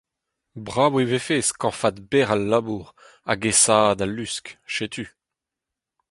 Brav e vefe skañvaat bec'h al labour hag aesaat al lusk, setu.